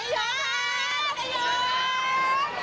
สวัสดีครับ